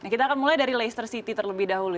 kita akan mulai dari leicester city terlebih dahulu